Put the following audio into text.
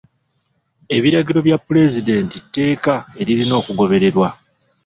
Ebiragiro bya puleezidenti tteeka eririna okugobererwa.